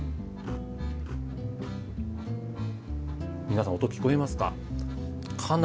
皆さん音聞こえますか？